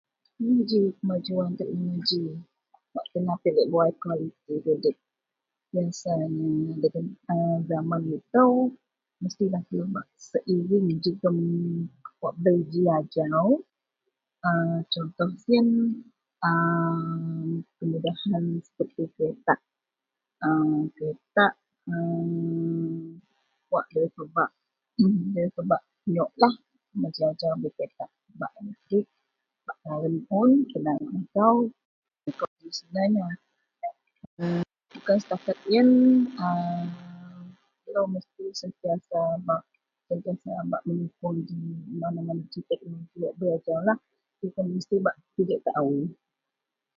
Inou ji kemajuan teknoloji wak kena pigek bawai kualiti tudip zaman itou mestilah telou bak seiring jegem wak bei ji ajau, a contoh siyen a kemudahan seperti ketak, a ketak a mm wak nda bei pebak nyoklah, macem ji ajau pebak elektrik bak raun un sebenarnya, bukan setakat yen. A Telou mesti sentiasa bak menyukuong ji mana-mana ji teknoloji wak bei ji ajaulah jegem mesti bak pigek taao.